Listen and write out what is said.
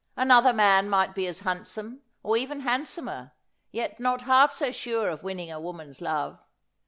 Another man might be as handsome, or even handsomer, yet not half so sure of winning a woman's love.